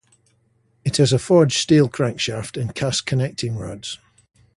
It has a forged steel crankshaft and cast connecting rods.